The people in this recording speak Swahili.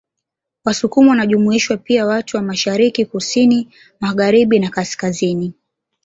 Wasukuma wanajumuishwa pia watu wa Mashariki kusini Magharibina kaskazini